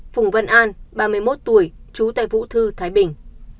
phùng văn an ba mươi một tuổi trú tại vũ thư thái bình